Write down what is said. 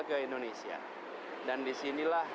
ke indonesia dan disinilah